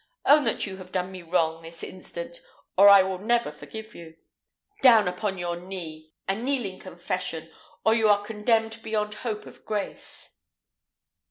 Own that you have done me wrong this instant, or I will never forgive you. Down upon your knee! a kneeling confession, or you are condemned beyond hope of grace."